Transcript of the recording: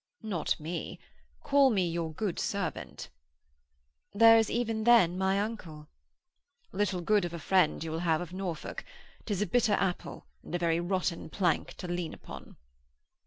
'Not me. Call me your good servant.' 'There is even then my uncle.' 'Little good of a friend you will have of Norfolk. 'Tis a bitter apple and a very rotten plank to lean upon.'